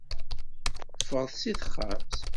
Ffɣet si texxamt.